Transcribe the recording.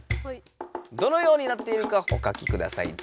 どのようになっているかおかきください。